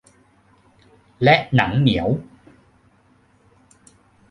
และหนังเหนี่ยว